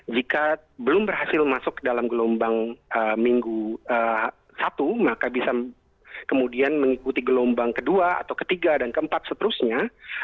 jika belum berhasil masuk dalam gelombang minggu satu maka bisa kemudian mengikuti gelombang ke dua atau ke tiga dan ke empat seterusnya